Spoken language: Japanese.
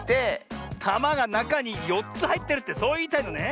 たまがなかに４つはいってるってそういいたいのね。